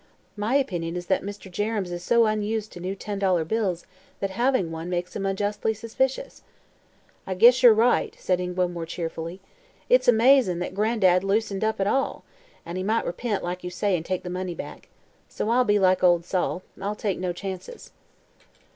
My opinion is that Mr. Jerrems is so unused to new ten dollar bills that having one makes him unjustly suspicious." "I guess yer right," said Ingua more cheerfully. "It's amazin' that Gran'dad loosened up at all. An' he might repent, like you say, an' take the money back. So I'll be like ol' Sol I'll take no chances."